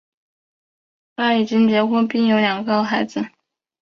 他已经结婚并有两个孩子。